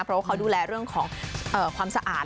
เพราะว่าเขาดูแลเรื่องของความสะอาด